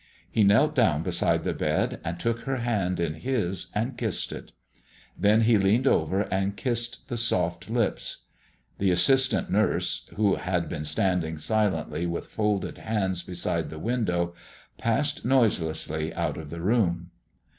He knelt down beside the bed and took her hand in his and kissed it. Then he leaned over and kissed the soft lips. The assistant nurse, who had been standing silently with folded hands beside the window, passed noiselessly out of the room.